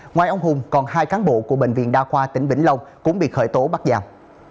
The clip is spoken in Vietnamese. ngoài ông hùng còn hai cán bộ của bệnh viện đa khoa tỉnh vĩnh long cũng bị khởi tố bắt giam